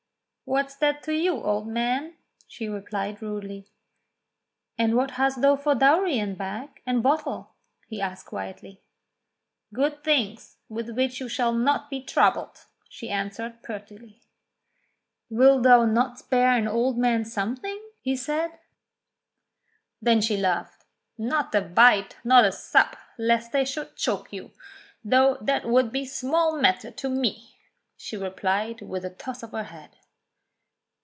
"What's that to you, old man ?" she replied rudely. "And what hast thou for dowry in bag and bottle.?" he asked quietly. "Good things with which you shall not be troubled," she answered pertly. "Wilt thou not spare an old man something ?" he said. 228 ENGLISH FAIRY TALES Then she laughed. "Not a bite, not a sup, lest they should choke you : though that would be small matter to me," she replied with a toss of her head.